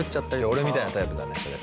俺みたいなタイプだねそれ。